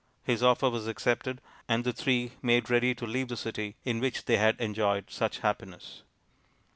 His offer was accepted, and the three made ready to leave the city in which the\ had enjoyed such happiness.